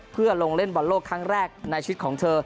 เพื่อลงเล่นบอลโลกครั้งแรกในชีวิตของเธอ